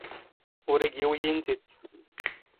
ⵓⵔ ⵉⴳⵉ ⵓⵢⵉⵏⵏ ⵜⵉⴷⵜ.